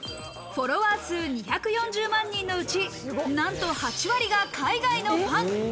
フォロワー数２４０万人のうち、なんと８割が海外のファン。